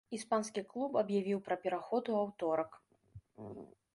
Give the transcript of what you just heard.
Іспанскі клуб аб'явіў пра пераход у аўторак.